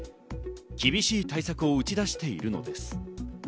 厳しい対策を打ち出しているのです。